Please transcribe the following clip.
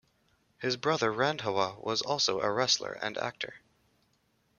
His brother Randhawa was also a wrestler and actor.